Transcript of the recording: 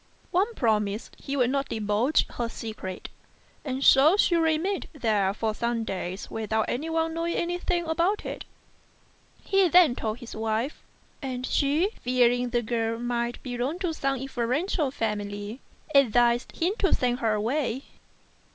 Wang promised he would not divulge her secret, and so she remained there for some days without anyone knowing anything about it. He then told his wife, and she, fearing the girl might belong to some influential family, advised him to send her away.